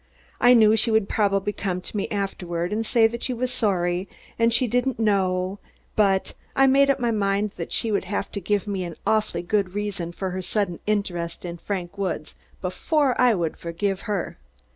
I knew she would probably come to me afterward and say she was sorry and she didn't know, but I made up my mind that she would have to give me an awfully good reason for her sudden interest in Frank Woods before I would forgive her.